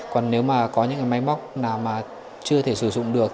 còn nếu mà có những cái máy móc nào mà chưa thể sử dụng được